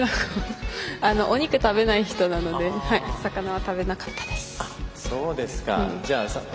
お肉食べない人なので魚は食べなかったです。